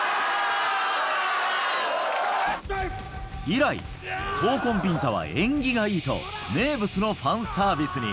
１、２、３、以来、闘魂ビンタは縁起がいいと、名物のファンサービスに。